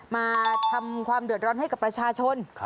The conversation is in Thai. มาทำความเดือดร้อนให้กับประชาชน